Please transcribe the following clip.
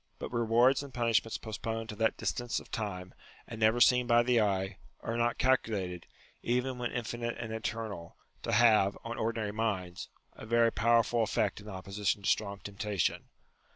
But rewards and punishments postponed to that distance of time, and never seen by the eye, are not calculated, even when infinite and eternal, to have, on ordinary minds, a very powerful eifect in opposition to strong temptation.